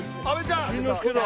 慎之助だ。